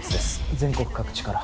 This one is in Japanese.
全国各地から。